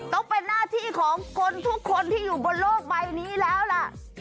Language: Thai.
ต้องเป็นหน้าที่ของคนทุกคนที่อยู่บนโลกใบนี้แล้วล่ะ